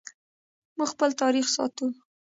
موږ خپل تاریخ ساتو